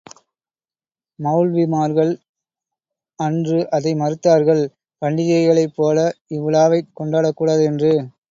மெளல்விமார்கள் அன்று அதை மறுத்தார்கள் பண்டிகைகளைப் போல இவ்விழாவைக் கொண்டாடக் கூடாது என்று.